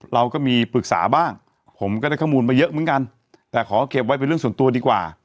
เราก็มีปรึกษาบ้างผมก็ได้ข้อมูลมาเยอะเหมือนกันแต่ขอเก็บไว้เป็นเรื่องส่วนตัวดีกว่า